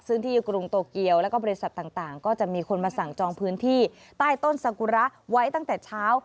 ซึ่งที่กรุงโตเกียวแล้วก็บริษัทต่างก็จะมีคนมาสั่งจองพื้นที่ใต้ต้นสากุระไว้ตั้งแต่เช้า